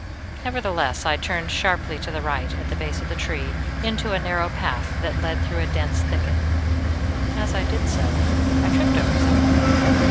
Nevertheless, I turned sharply to the right, at the base of the tree, into a narrow path that led through a dense thicket. As I did so I tripped over something.